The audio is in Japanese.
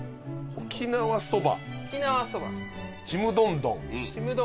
沖縄そば？